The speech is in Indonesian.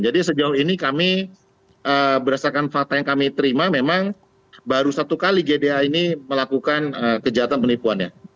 jadi sejauh ini kami berdasarkan fakta yang kami terima memang baru satu kali gda ini melakukan kejahatan penipuannya